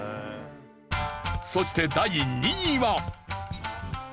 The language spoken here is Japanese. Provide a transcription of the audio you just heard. そして第２位は。